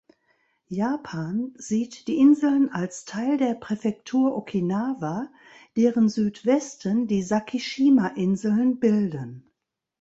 Japan sieht die Inseln als Teil der Präfektur Okinawa, deren Südwesten die Sakishima-Inseln bilden.